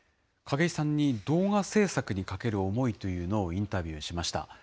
景井さんに動画制作にかける思いというのをインタビューしました。